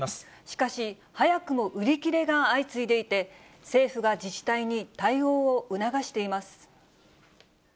しかし、早くも売り切れが相次いでいて、政府が自治体に対応を促しています。